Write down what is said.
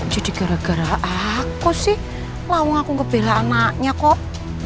jadi gara gara aku sih laung aku ngebela anaknya kok